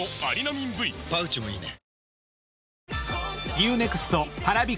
Ｕ−ＮＥＸＴ、Ｐａｒａｖｉ